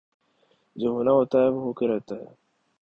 جو ہونا ہوتاہےوہ ہو کر رہتا ہے